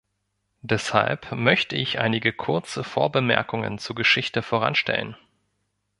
Deshalb möchte ich einige kurze Vorbemerkungen zur Geschichte voranstellen.